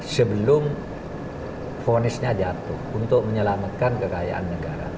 sebelum vonisnya jatuh untuk menyelamatkan kekayaan negara